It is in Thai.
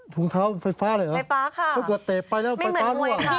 ถุงเท้าไฟฟ้าเลยเหรอถ้าเกิดเตะไปแล้วไฟฟ้าด้วยเหรอไม่เหมือนมวยค่ะ